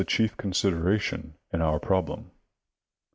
chief consideration in onr problem.